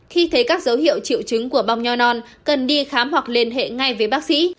khi thấy các dấu hiệu triệu chứng của bong nho non cần đi khám hoặc liên hệ ngay với bác sĩ